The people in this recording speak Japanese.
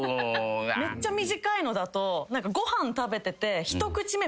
めっちゃ短いのだとご飯食べてて一口目